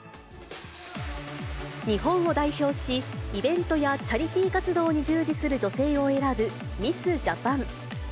日本を代表し、イベントやチャリティー活動に従事する女性を選ぶ、ミス・ジャパン。